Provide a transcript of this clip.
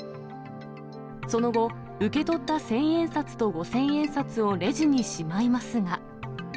その後、受け取った千円札と五千円札をレジにしまいますが。